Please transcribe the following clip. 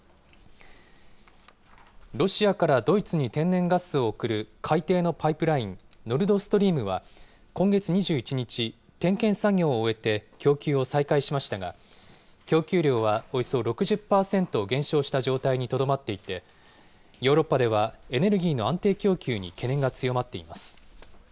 ロシアからドイツに天然ガスを送る海底のパイプライン、ノルドストリームは、今月２１日、点検作業を終えて、供給を再開しましたが、供給量はおよそ６０％減少した状態にとどまっていて、ヨーロッパではエネルギーの安定供給に懸念が強まっています。